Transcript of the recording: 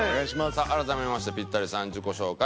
さあ改めましてピッタリさん自己紹介